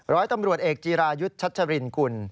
ร้อยตำรวจเอกจีรายุทธ์ชัชรินกุล